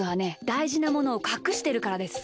だいじなものをかくしてるからです。